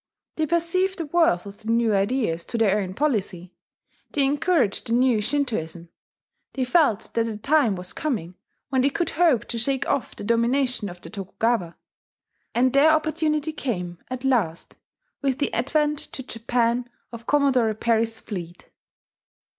They perceived the worth of the new ideas to their own policy; they encouraged the new Shintoism; they felt that a time was coming when they could hope to shake off the domination of the Tokugawa. And their opportunity came at last with the advent to Japan of Commodore Perry's fleet.